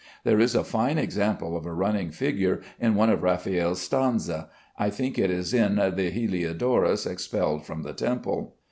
There is a fine example of a running figure in one of Raffaelle's stanze. I think it is in the "Heliodorus Expelled from the Temple."